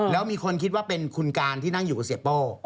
แล้วมีคนคิดว่าเป็นคุณการที่นั่งอยู่กับเสียโป้